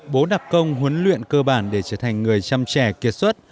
bố đặc công huấn luyện cơ bản để trở thành người chăm trẻ kiệt xuất